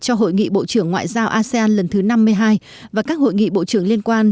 cho hội nghị bộ trưởng ngoại giao asean lần thứ năm mươi hai và các hội nghị bộ trưởng liên quan